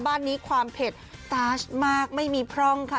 บ้านนี้ความเผ็ดตาชมากไม่มีพร่องค่ะ